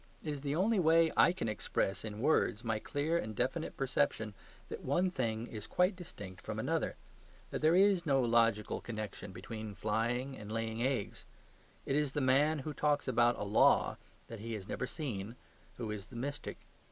It is the only way I can express in words my clear and definite perception that one thing is quite distinct from another; that there is no logical connection between flying and laying eggs. It is the man who talks about "a law" that he has never seen who is the mystic.